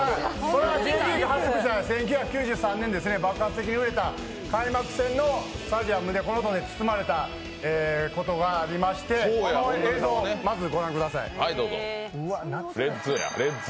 Ｊリーグが発足した１９９３年に爆発的に売れたんですが、開幕戦のスタジアムで、この音で包まれたことがありましてこの映像、まずご覧ください。